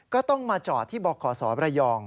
ก็ต้องมาจอดที่บอกขอสอและยอง